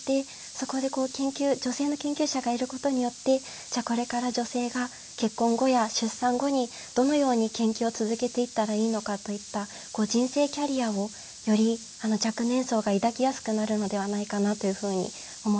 そこで女性の研究者がいることによってじゃあこれから女性が結婚後や出産後にどのように研究を続けていったらいいのかといった人生キャリアをより若年層が抱きやすくなるのではないかなというふうに思っています。